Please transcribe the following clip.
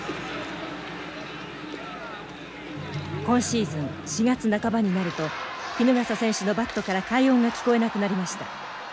今シーズン４月半ばになると衣笠選手のバットから快音が聞こえなくなりました。